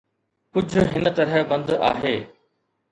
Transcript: ڪجهه هن طرح بند آهي